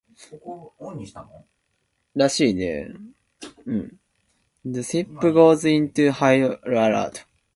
The ship goes into high alert.